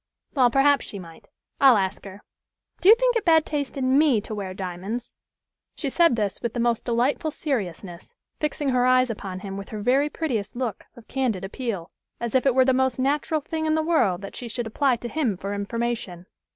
Well, perhaps she might. I'll ask her. Do you think it bad taste in me to wear diamonds?" She said this with the most delightful seriousness, fixing her eyes upon him with her very prettiest look of candid appeal, as if it were the most natural thing in the world that she should apply to him for information.